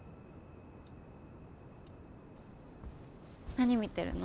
何見てるの？